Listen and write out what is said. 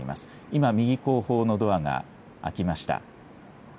今、右後方のドアが開きました。